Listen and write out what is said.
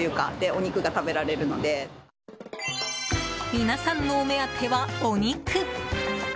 皆さんのお目当ては、お肉！